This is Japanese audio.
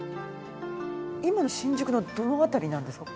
今の新宿のどの辺りなんですか？